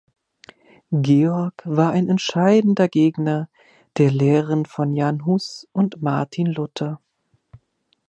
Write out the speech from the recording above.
Georg war ein entschiedener Gegner der Lehren von Jan Hus und Martin Luther.